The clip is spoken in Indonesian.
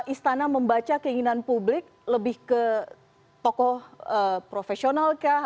istana membaca keinginan publik lebih ke tokoh profesional kah